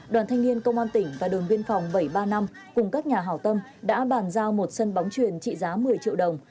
đoàn thanh niên công an tỉnh và đồn biên phòng bảy trăm ba mươi năm cùng các nhà hào tâm đã bàn giao một sân bóng truyền trị giá một mươi triệu đồng